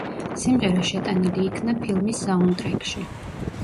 სიმღერა შეტანილი იქნა ფილმის საუნდტრეკში.